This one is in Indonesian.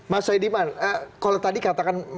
mas saidiman kalau tadi katakan